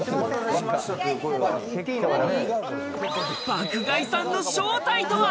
爆買いさんの正体とは？